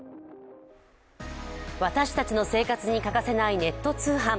私たちの生活に欠かせないネット通販。